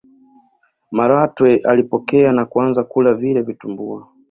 malatwe alipokea na kuanza kula vile vitumbua